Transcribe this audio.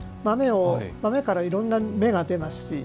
豆からいろんな芽が出ますし。